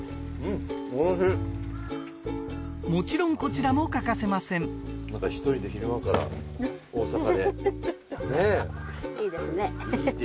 もちろんこちらも欠かせませんフフフ。